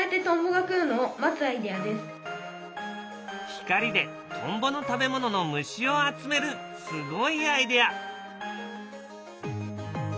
光でトンボの食べ物の虫を集めるすごいアイデア。